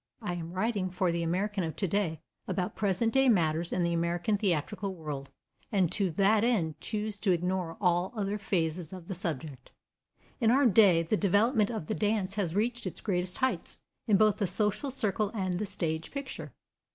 I am writing for the American of today about present day matters in the American theatrical world, and to that end choose to ignore all other phases of the subject. In our day the development of the dance has reached its greatest heights, in both the social circle and the stage picture.